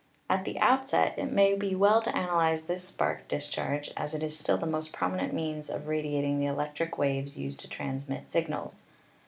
At the outset it may be well to analyze this spark dis charge, as it is still the most prominent means of ra diating the electric waves used to transmit signals.